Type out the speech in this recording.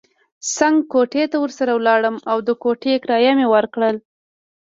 څنګ کوټې ته ورسره ولاړم او د کوټې کرایه مې ورکړل.